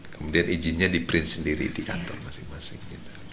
kemudian izinnya di print sendiri di kantor masing masing